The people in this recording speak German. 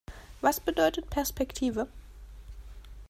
Was bedeutet Perspektive?